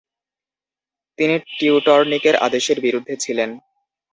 তিনি টিউটরনিকের আদেশের বিরুদ্ধে ছিলেন।